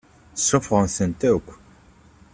Suffɣet-tent akk.